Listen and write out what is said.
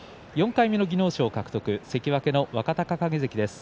４回目の技能賞を獲得した関脇の若隆景関です。